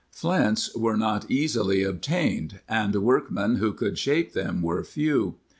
Flints were not easily obtained and workmen who could shape them were few.